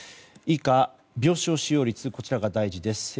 以下、病床使用率こちらが大事です。